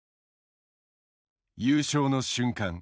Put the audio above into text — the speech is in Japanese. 優勝の瞬間